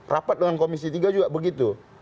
rapat dengan komisi tiga juga begitu